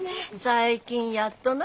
最近やっとな。